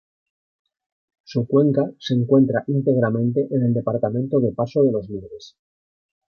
Su cuenca se encuentra íntegramente en el departamento de Paso de los Libres.